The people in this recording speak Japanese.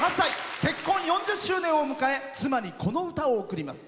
結婚４０周年を迎え妻に、この歌を贈ります。